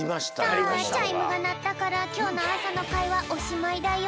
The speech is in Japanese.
さあチャイムがなったからきょうのあさのかいはおしまいだよ。